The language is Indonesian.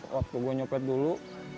waktu gue nyopet dulu